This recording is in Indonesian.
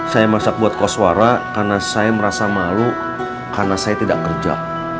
saya masak buat koswara karena saya merasa malu karena saya tidak kerja